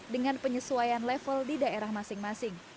dengan penyesuaian level di daerah masing masing